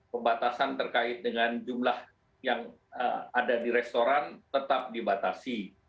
pembatasan terkait dengan jumlah yang ada di restoran tetap dibatasi